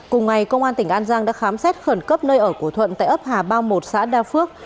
cùng ngày công an tỉnh an giang đã khám xét khẩn cấp nơi ở của thuận tại ấp hà bao một xã đa phước